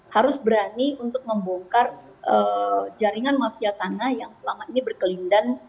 harus berani untuk membongkar jaringan mafia tanah yang selama ini berkelindan